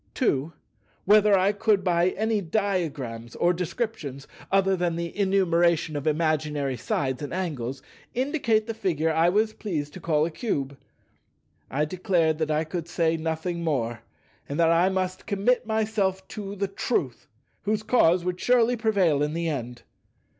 2. Whether I could by any diagrams or descriptions (other than the enumeration of imaginary sides and angles) indicate the Figure I was pleased to call a Cube? I declared that I could say nothing more, and that I must commit myself to the Truth, whose cause would surely prevail in the end.